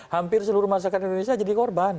hampir seluruh masyarakat indonesia jadi korban